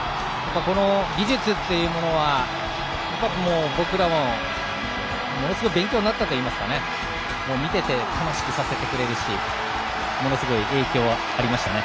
この技術というものは僕らもものすごく勉強になったといいますか見ていて楽しくさせてくれるしものすごい影響はありました。